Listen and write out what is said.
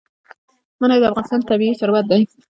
منی د افغانستان طبعي ثروت دی.